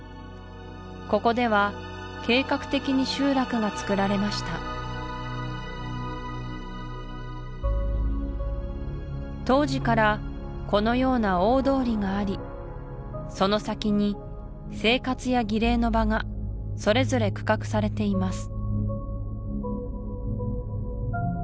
ここでは計画的に集落がつくられました当時からこのような大通りがありその先に生活や儀礼の場がそれぞれ区画されています